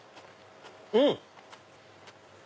うん！